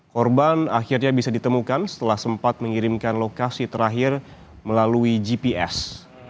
korban akhirnya bisa ditemukan setelah sempat mengirimkan lokasi terakhir melalui gps